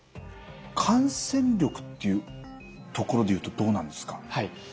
感染力っていうところでいうとどうなんですか？